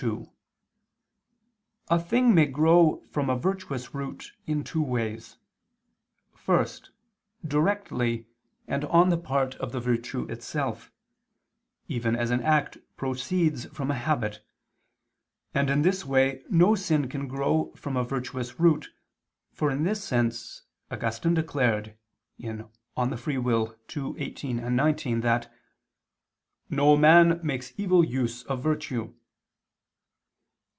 2: A thing may grow from a virtuous root in two ways: first, directly and on the part of the virtue itself; even as an act proceeds from a habit: and in this way no sin can grow from a virtuous root, for in this sense Augustine declared (De Lib. Arb. ii, 18, 19) that "no man makes evil use of virtue."